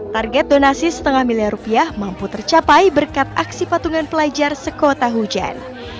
target donasi setengah miliar rupiah mampu tercapai berkat aksi patungan pelajar sekota hujan